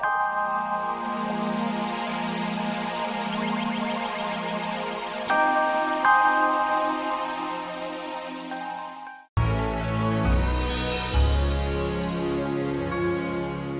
lagi troopnya teratur teratur